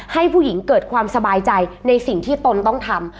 ให้ผู้หญิงเกิดความสบายใจในสิ่งที่ตนต้องทำ